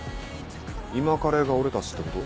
今カレが俺たちってこと？